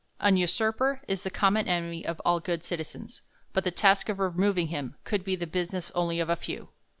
An usurper is the common enemy of all good citizens ; but tlie task of removing him could be the business only of a fevr.